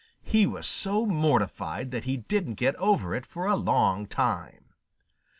He was so mortified that he didn't get over it for a long time.